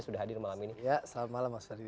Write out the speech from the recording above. ya selamat malam mas fadli